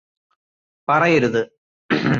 പറയരുത്